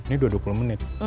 ini dua puluh menit